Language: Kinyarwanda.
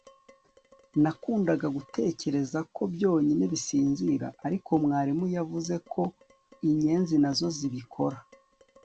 Nakundaga gutekereza ko byonyine bisinzira ariko mwarimu yavuze ko inyenzi nazo zibikora